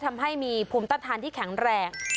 ทำให้มีภูมิต้านทานที่แข็งแรง